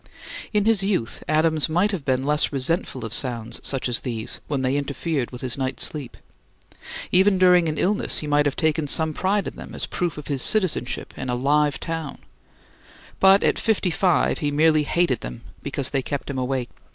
In his youth Adams might have been less resentful of sounds such as these when they interfered with his night's sleep: even during an illness he might have taken some pride in them as proof of his citizenship in a "live town"; but at fifty five he merely hated them because they kept him awake.